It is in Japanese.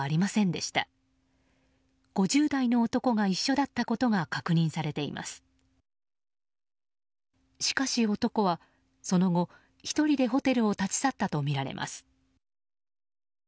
しかし、男はその後１人でホテルを立ち去ったとみられます。